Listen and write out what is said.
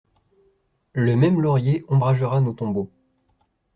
Le même laurier ombragera nos tombeaux!